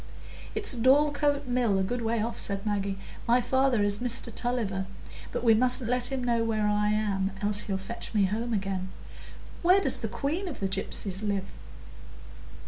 "It's Dorlcote Mill, a good way off," said Maggie. "My father is Mr Tulliver, but we mustn't let him know where I am, else he'll fetch me home again. Where does the queen of the gypsies live?"